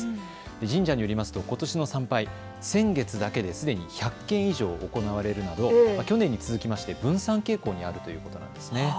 神社によりますとことしの参拝、先月だけですでに１００件以上行われているほど去年に続きまして分散傾向にあるということです。